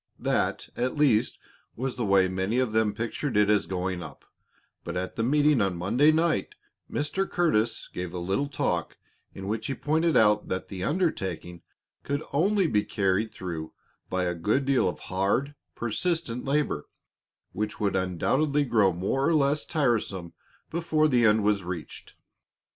That, at least, was the way many of them pictured it as going up, but at the meeting on Monday night Mr. Curtis gave a little talk in which he pointed out that the undertaking could only be carried through by a good deal of hard, persistent labor, which would undoubtedly grow more or less tiresome before the end was reached.